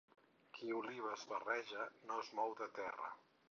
Qui olives vareja no es mou de terra.